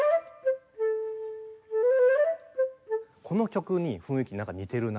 この曲に雰囲気なんか似てるな。